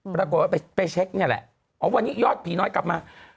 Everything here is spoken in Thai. ปรากฏว่าไปเช็คเนี่ยแหละอ๋อวันนี้ยอดผีน้อยกลับมา